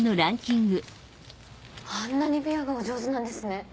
あんなに琵琶がお上手なんですね。